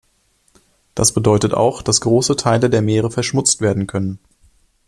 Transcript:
Das bedeutet auch, dass große Teile der Meere verschmutzt werden können.